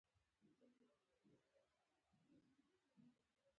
اوس وخت کې چې زموږ په ټولنه کې ښوونځي او پوهنتونونه معیار ګرځولي.